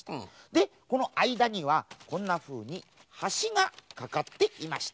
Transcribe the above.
でこのあいだにはこんなふうにはしがかかっていました。